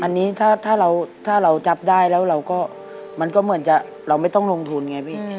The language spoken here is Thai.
อันนี้ถ้าเราจับได้แล้วเราก็มันก็เหมือนจะเราไม่ต้องลงทุนไงพี่